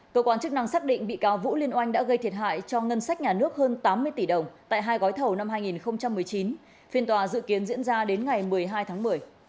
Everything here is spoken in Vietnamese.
cơ quan chức năng xác định bị cáo vũ liên oanh đã gây thiệt hại cho ngân sách nhà nước hơn tám mươi tỷ đồng tại hai gói thầu năm hai nghìn một mươi chín phiên tòa dự kiến diễn ra đến ngày một mươi hai tháng một mươi